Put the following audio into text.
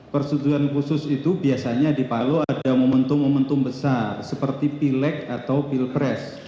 persetujuan khusus itu biasanya di palu ada momentum momentum besar seperti pilek atau pilpres